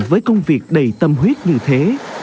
với công việc đầy tâm huyết như thế